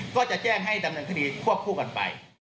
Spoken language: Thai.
ก็จะแจ้งให้ดำเนินคดีควบคู่กันไป